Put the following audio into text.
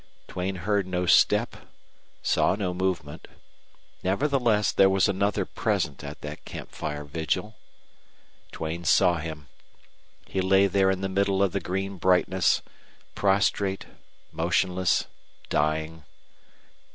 Duane heard no step, saw no movement; nevertheless, there was another present at that camp fire vigil. Duane saw him. He lay there in the middle of the green brightness, prostrate, motionless, dying.